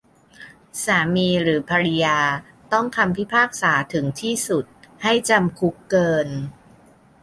สามีหรือภริยาต้องคำพิพากษาถึงที่สุดให้จำคุกเกิน